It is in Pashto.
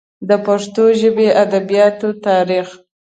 د پښتو ژبې ادبیاتو تاریخ